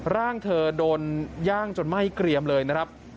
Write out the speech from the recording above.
ร่างเธอโดนย่างจนไหม้เกรียมเลยนะครับ